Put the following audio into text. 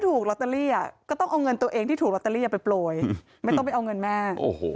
ถูกรอเตอรี่ก็ต้องเอาเงินตัวเองที่ถูกไปปล่อยไม่ต้องไปเอาเงินแม่